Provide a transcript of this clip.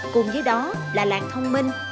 cùng với đó là làng thông minh